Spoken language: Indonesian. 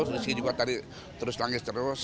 rizky juga tadi terus langis terus